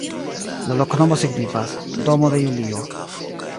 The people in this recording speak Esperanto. La loknomo signifas: domo de Julio.